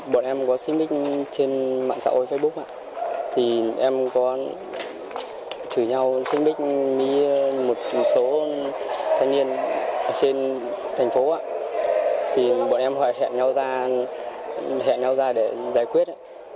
bọn em có xin bích trên mạng xã hội facebook em có chửi nhau xin bích với một số thanh niên trên thành phố bọn em hẹn nhau ra để giải quyết